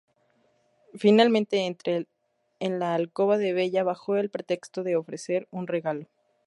Finalmente, entra en la alcoba de Bella bajo el pretexto de ofrecerle un regalo.